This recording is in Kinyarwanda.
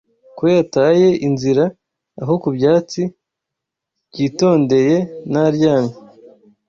Ko yataye inzira Aho ku byatsi mbyitondeye naryamye